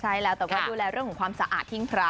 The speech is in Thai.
ใช่แล้วแต่ว่าดูแลเรื่องของความสะอาดหิ้งพระ